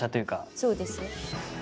そうですね。